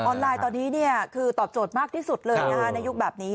ไลน์ตอนนี้คือตอบโจทย์มากที่สุดเลยนะคะในยุคแบบนี้